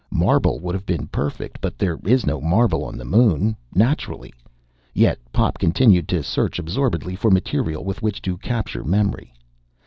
Marble would have been perfect, but there is no marble on the Moon. Naturally! Yet Pop continued to search absorbedly for material with which to capture memory.